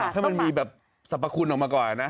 ถ้ามันมีแบบสรรพคุณออกมาก่อนนะ